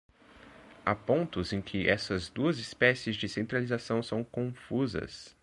Há pontos em que essas duas espécies de centralização são confusas.